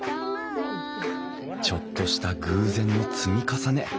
ちょっとした偶然の積み重ね。